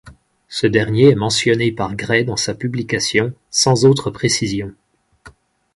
Ce dernier est mentionné par Gray dans sa publication, sans autre précision.